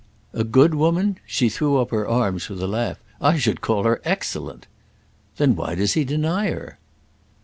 "A good woman?" She threw up her arms with a laugh. "I should call her excellent!" "Then why does he deny her?"